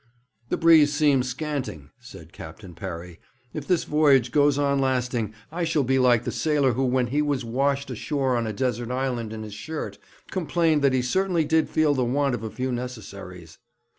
'The breeze seems scanting,' said Captain Parry. 'If this voyage goes on lasting, I shall be like the sailor who, when he was washed ashore on a desert island in his shirt, complained that he certainly did feel the want of a few necessaries.'